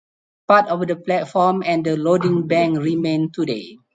Part of the platform and the loading bank remain today.